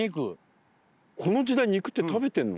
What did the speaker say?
この時代肉って食べてんの？